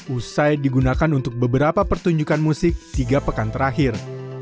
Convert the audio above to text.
usai digunakan untuk beberapa pertunjukan musik tiga pekan terakhir